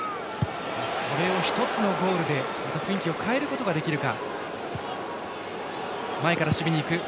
それを一つのゴールで雰囲気を変えることができるか。